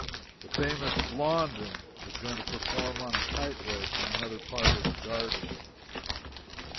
The famous Blondin was going to perform on a tightrope in another part of the garden.